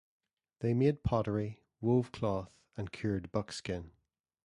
They made pottery, wove cloth and cured buckskin.